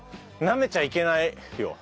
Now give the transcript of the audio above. なめちゃいけないよ。